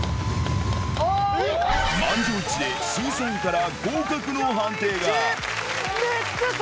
満場一致で、審査員から合格の判定が。